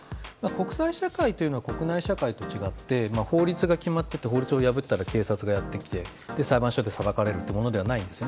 国際社会というのは国内社会と違って法律が決まっていて法律を破ったら警察がやってきて裁判所で裁かれるというものではないんです。